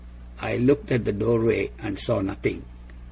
I looked at the doorway and saw nothing.